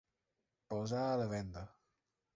Posar a la venda.